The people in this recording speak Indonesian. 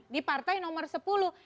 di partai nomor sepuluh